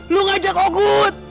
lu ngajak oghud